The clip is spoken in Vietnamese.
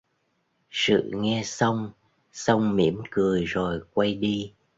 Sự nghe xong, xong mỉm cười rồi quay đi